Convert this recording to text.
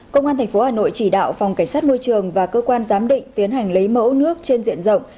công an tp hà nội chỉ đạo phòng cảnh sát môi trường và cơ quan giám định tiến hành lấy mẫu nước trên diện rộng